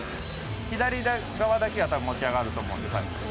左側だけがたぶん持ち上がると思うので。